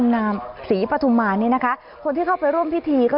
กับแม่ย้าศรีพะทุมมารนะคะ